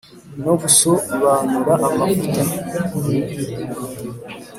no guso banura amavuta